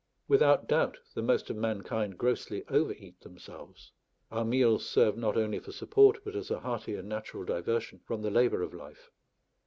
Without doubt, the most of mankind grossly over eat themselves; our meals serve not only for support, but as a hearty and natural diversion from the labour of life.